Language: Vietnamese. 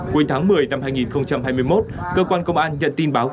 cuối tháng một mươi năm hai nghìn hai mươi một cơ quan công an nhận tin báo